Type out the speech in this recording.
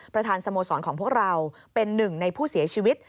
สโมสรของพวกเราเป็นหนึ่งในผู้เสียชีวิต